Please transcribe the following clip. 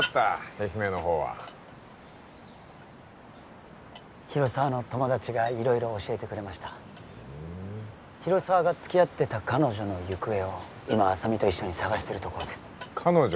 愛媛のほうは広沢の友達が色々教えてくれましたふん広沢が付き合ってた彼女の行方を今浅見と一緒に捜してるとこです彼女？